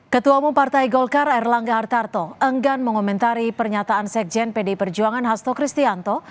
ketua umum partai golkar erlangga hartarto enggan mengomentari pernyataan sekjen pdi perjuangan hasto kristianto